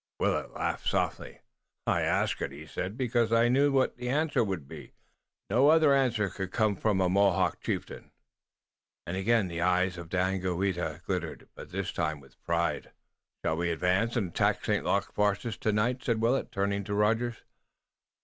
Willet laughed softly. "I asked it," he said, "because I knew what the answer would be. None other could come from a Mohawk chieftain." Again the eyes of Daganoweda glittered, but this time with pride. "Shall we advance and attack St. Luc's force tonight?" said Willet, turning to Rogers.